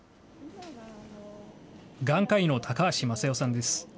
眼科医の高橋政代さんです。